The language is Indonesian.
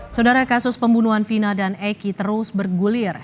saudara kasus pembunuhan vina dan eki terus bergulir